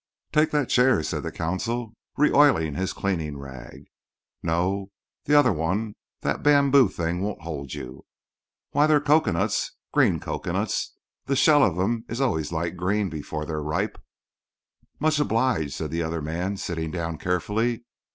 "Take that chair," said the consul, reoiling his cleaning rag. "No, the other one—that bamboo thing won't hold you. Why, they're cocoanuts—green cocoanuts. The shell of 'em is always a light green before they're ripe." "Much obliged," said the other man, sitting down carefully.